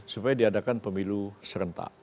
supaya diadakan pemilu serentak